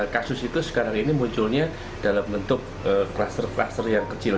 kasus itu sekarang ini munculnya dalam bentuk kluster kluster yang kecil